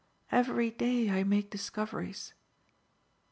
Every day I make discoveries."